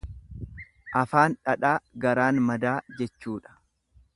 Afaan dhadhaa, garaan madaa jechuudha.